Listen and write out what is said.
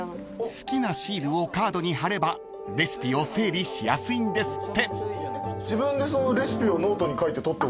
［好きなシールをカードに貼ればレシピを整理しやすいんですって］